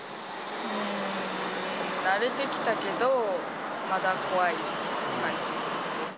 慣れてきたけど、まだ怖い感じ。